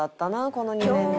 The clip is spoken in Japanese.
この２年で」